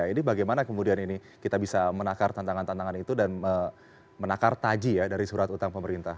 jadi bagaimana kemudian ini kita bisa menakar tantangan tantangan itu dan menakar taji dari surat utang pemerintah